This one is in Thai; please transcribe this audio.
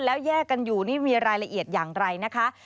แล้วแยกกันอยู่นี่มีรายละเอียดอย่างไรนะคะ